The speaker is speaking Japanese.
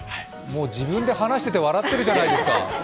もう自分で話してて笑ってるじゃないですか。